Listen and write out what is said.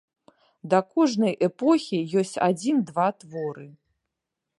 Да кожнай эпохі ёсць адзін-два творы.